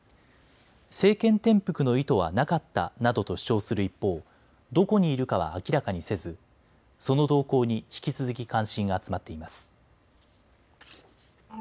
政権転覆の意図はなかったなどと主張する一方、どこにいるかは明らかにせずその動向に引き続き関心が集まっています。